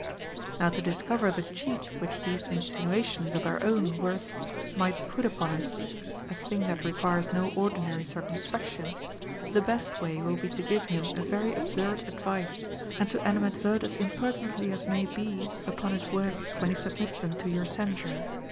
* Now to discover the cheat which these insinuations of our own worth might put upon us (a thing that requires no or dinary circumspection), the best way will be to give him a very absurd advice, and to animadvert as impertinently as may be upon his works when he submits them to your cen sure.